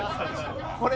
これ。